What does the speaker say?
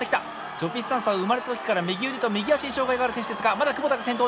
ジョピスサンスは生まれた時から右腕と右足に障害がある選手ですがまだ窪田が先頭。